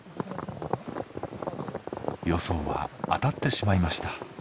予想は当たってしまいました。